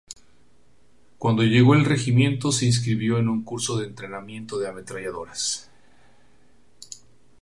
Cuando llegó al regimiento, se inscribió en un curso de entrenamiento de ametralladoras.